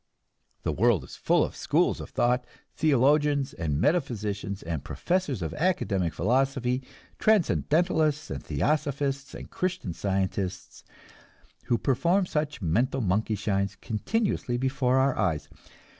The world is full of schools of thought, theologians and metaphysicians and professors of academic philosophy, transcendentalists and theosophists and Christian Scientists, who perform such mental monkey shines continuously before our eyes.